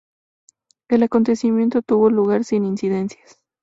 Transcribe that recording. El acontecimiento tuvo lugar sin incidencias.